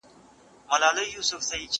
زه کتابتون ته تللی دی،